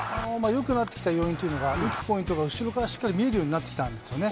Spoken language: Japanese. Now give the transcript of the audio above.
よくなってきた要因というのが、打つポイントが後ろからしっかり見えるようになってきたんですよね。